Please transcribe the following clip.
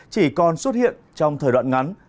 chỉ còn xuất hiện trong thời đoạn ngắn